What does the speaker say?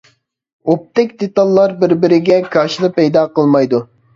ئوپتىك دېتاللار بىر-بىرگە كاشىلا پەيدا قىلمايدۇ.